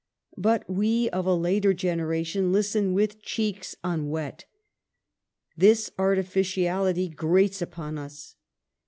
But we of a later generation listen with cheeks unwet. This artificiality grates upon us.